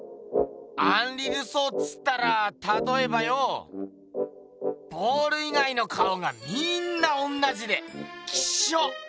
アンリ・ルソーつったらたとえばよボール以外の顔がみんな同じでキショ！